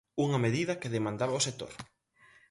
Unha medida que demandaba o sector.